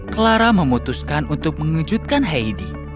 clara memutuskan untuk mengejutkan heidi